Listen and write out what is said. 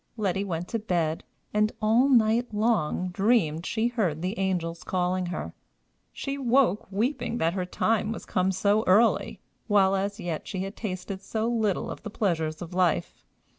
Letty went to bed, and all night long dreamed she heard the angels calling her. She woke weeping that her time was come so early, while as yet she had tasted so little of the pleasure of life.